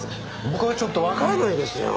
僕はちょっとわからないですよ。